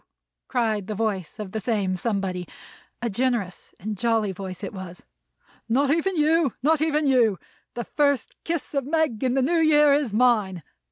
cried the voice of this same somebody; a generous and jolly voice it was. "Not even you. Not even you. The first kiss of Meg in the New Year is mine.